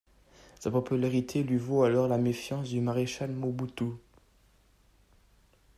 Sa popularité lui vaut alors la méfiance du Maréchal Mobutu.